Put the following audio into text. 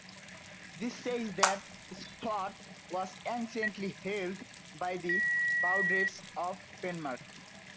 This says that Splott was anciently held by the Bawdrips of Penmark.